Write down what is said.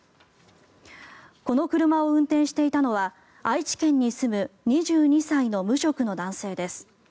この車を運転していたのは愛知県に住む２２歳の無職の男性です。